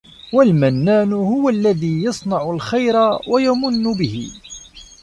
وَالْمَنَّانُ هُوَ الَّذِي يَصْنَعُ الْخَيْرَ وَيَمُنُّ بِهِ